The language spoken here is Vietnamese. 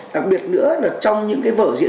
đặc biệt nữa là trong những cái vở diễn